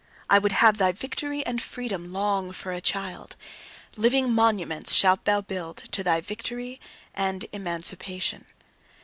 I would have thy victory and freedom long for a child. Living monuments shalt thou build to thy victory and emancipation.